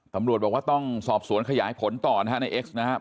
ตำรวจบอกว่าต้องสอบสวนขยายผลต่อนะฮะในเอ็กซ์นะครับ